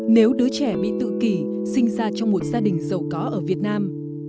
nếu đứa trẻ bị tự kỷ sinh ra trong một gia đình giàu có ở việt nam